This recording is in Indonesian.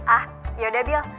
ah yaudah bil